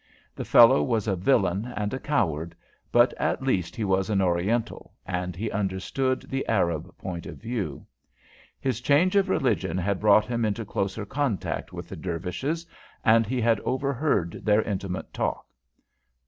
The fellow was a villain and a coward, but at least he was an Oriental, and he understood the Arab point of view. His change of religion had brought him into closer contact with the Dervishes, and he had overheard their intimate talk.